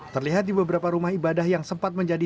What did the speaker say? terlihat di beberapa rumah ibadah yang sempat menjadi